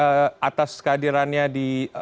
terima kasih prof henry atas kehadirannya di ru